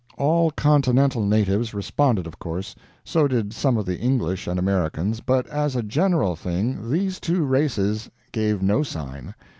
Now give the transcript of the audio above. All continental natives responded of course; so did some of the English and Americans, but, as a general thing, these two races gave no sign.